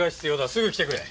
すぐ来てくれ。